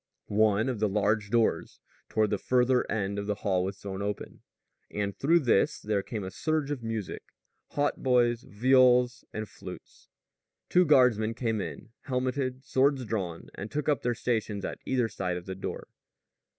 One of the large doors toward the farther end of the hall was thrown open, and through this there came a surge of music hautboys, viols, and flutes. Two guardsmen came in, helmeted, swords drawn, and took up their stations at either side of the door.